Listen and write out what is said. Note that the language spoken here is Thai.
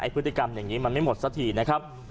พฤติกรรมอย่างนี้มันไม่หมดสักทีนะครับ